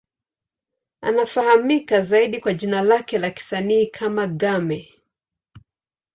Anafahamika zaidi kwa jina lake la kisanii kama Game.